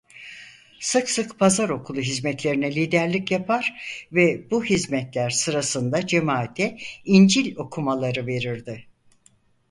Sık sık Pazar okulu hizmetlerine liderlik yapar ve bu hizmetler sırasında cemaate İncil okumaları verirdi.